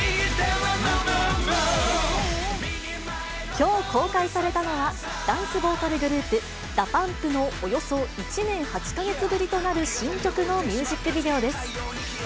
きょう公開されたのは、ダンスボーカルグループ、ＤＡＰＵＭＰのおよそ１年８か月ぶりとなる新曲のミュージックビデオです。